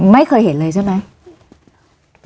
ไม่เคยเห็นเลยใช่ไหม